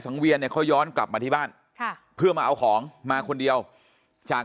สังเวียนเขาย้อนกลับมาที่บ้านเพื่อมาเอาของมาคนเดียวจาก